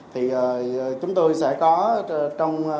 thì chúng tôi sẽ có